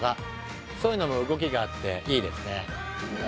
そういうのも動きがあっていいですね。